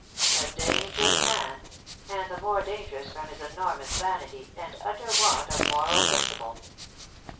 A dangerous man, and the more dangerous from his enormous vanity and utter want of moral principle.